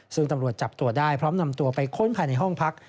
ซึ่งตำรวจจับตัวได้พร้อมนำตัวไปค้นภายในห้องพัก